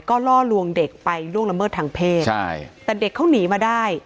ก็ล่อลวงเด็กไปล่วงละเมิดทางเพศใช่แต่เด็กเขาหนีมาได้